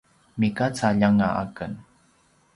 migacaljanga aken